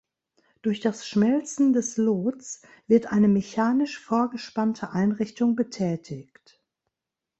Durch das Schmelzen des Lots wird eine mechanisch vorgespannte Einrichtung betätigt.